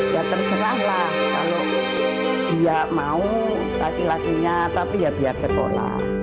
ya terserah lah kalau dia mau laki lakinya tapi ya biar sekolah